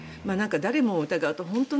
誰かを疑うと本当に。